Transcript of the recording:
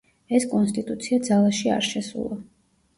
ეს კონსტიტუცია ძალაში არ შესულა.